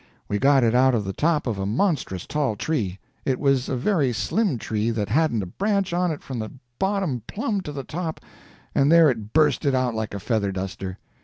We got it out of the top of a monstrous tall tree. It was a very slim tree that hadn't a branch on it from the bottom plumb to the top, and there it bursted out like a feather duster.